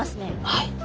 はい。